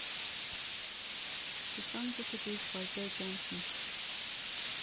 The songs were produced by Joe Johnson.